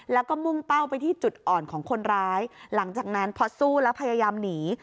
แล้วก็มุ่งเป้าไปที่จุดอ่อนของคนร้ายหลังจากนั้นพอสู้แล้วพยายามหนี